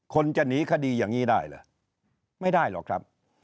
คนจะหนีคดีอย่างนี้ได้เหรอไม่ได้หรอกครับ